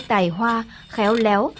tài hoa khéo léo